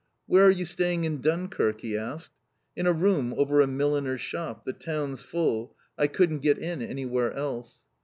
"Where are you staying in Dunkirk?" he asked. "In a room over a milliner's shop. The town's full. I couldn't get in anywhere else."